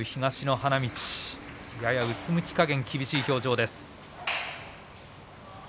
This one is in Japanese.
花道ややうつむき加減厳しい表情です。